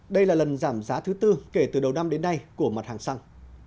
đây là lần giảm giá thứ tư kể từ đầu năm đến nay của mặt hàng xăng